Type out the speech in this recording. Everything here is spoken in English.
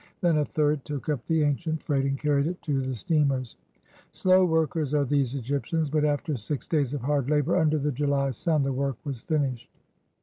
Then a third took up the ancient freight and carried it to the steamers. Slow workers are these Egyptians, but after six days of hard labor under the July sun the work was finished.